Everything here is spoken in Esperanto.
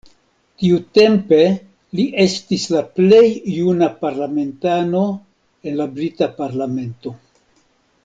Tiutempe, li estis la plej juna parlamentano en la brita parlamento.